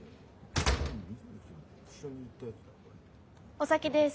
お先です。